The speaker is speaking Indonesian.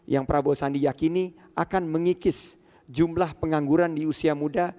yang prabowo sandi yakini akan mengikis jumlah pengangguran di usia muda